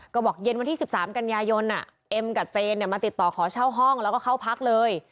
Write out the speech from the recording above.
ก็บอกเย็นวันที่๑๓กันยายนเอ็มกับเจนมาติดต่อขอเช่าห้องแล้วก็เข้าพักเลย